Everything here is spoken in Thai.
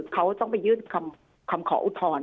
เขาต้องไปยื่นคำขออุทธรณ์